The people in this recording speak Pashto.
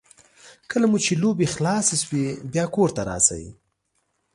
کله مو چې لوبې خلاصې شوې بیا کور ته راشئ.